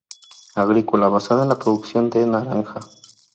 Agrícola, basada en la producción de naranja.